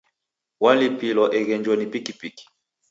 Walipilwa eghenjo ni pikipiki.